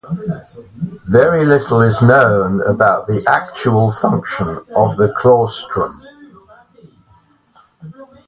Very little is known about the actual function of the claustrum.